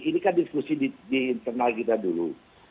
ini kan diskusi di internal kita dulu